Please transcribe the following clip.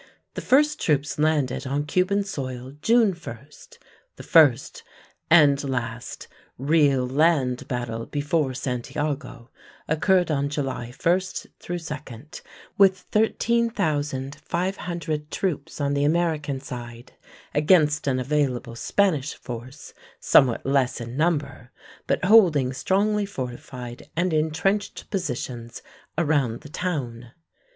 The first troops landed on Cuban soil June 1. The first and last real land battle before Santiago occurred on July 1 2, with 13,500 troops on the American side against an available Spanish force somewhat less in number, but holding strongly fortified and entrenched positions around the town.